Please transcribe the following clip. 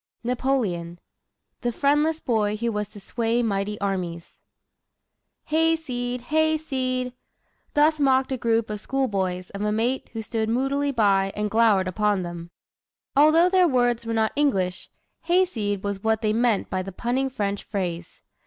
NAPOLEON THE FRIENDLESS BOY WHO WAS TO SWAY MIGHTY ARMIES "Hayseed! hayseed!" Thus mocked a group of schoolboys of a mate who stood moodily by and glowered upon them. Although their words were not English, "Hayseed!" was what they meant by the punning French phrase.